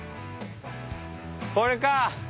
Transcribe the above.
これか！